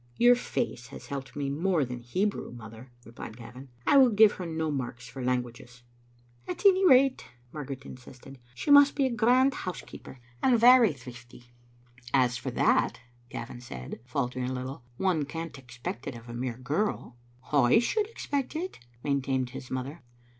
"Your face has helped me more than Hebrew, mother," replied Gavin. " I will give her no marks for languages." "At any rate," Margaret insisted, "she must be a grand housekeeper, and very thrifty." Digitized by VjOOQ IC 190 Vbe Xittto Afnf0ter« "As for that," Gavin said, faltering a little, "one can't expect it of a mere girl. " I should expect it," maintained his mother.